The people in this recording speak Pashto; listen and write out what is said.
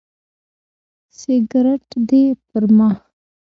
سګرټ دې پر ما.